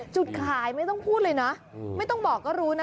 จุดขายไม่ต้องพูดเลยนะไม่ต้องบอกก็รู้นะ